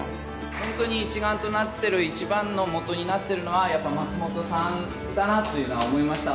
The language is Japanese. ホントに一丸となってる一番のもとになってるのはやっぱ松本さんだなっていうのは思いました